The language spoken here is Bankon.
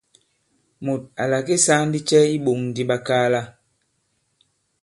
Mùt à làke saa ndi cɛ i iɓōŋ di ɓakaala ?